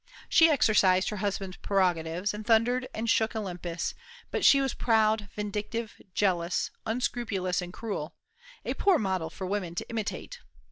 She exercised her husband's prerogatives, and thundered and shook Olympus; but she was proud, vindictive, jealous, unscrupulous, and cruel, a poor model for women to imitate.